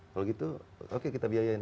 kalau gitu oke kita biayain